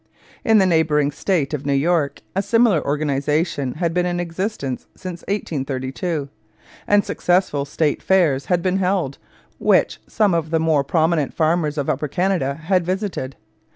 In the neighbouring State of New York a similar organization had been in existence since 1832 and successful State fairs had been held, which some of the more prominent farmers of Upper Canada had visited.